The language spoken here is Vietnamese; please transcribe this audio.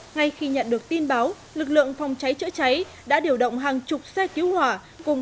ngay khi nhận được tin báo lực lượng phòng cháy chữa cháy đã điều động hàng chục xe cứu hỏa cùng